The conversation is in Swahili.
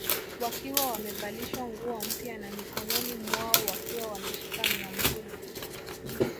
Wakiwa wamevalishwa nguo mpya na mikononi mwao wakiwa wameshika miamvuli